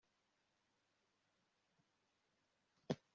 abanyanineve batewe ubutwari n'intsinzi bari baragiye bageraho